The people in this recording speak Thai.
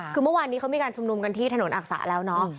คือเมื่อวานนี้เขามีการชุมนุมกันที่ถนนอักษะแล้วเนาะ